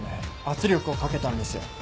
圧力をかけたんですよ。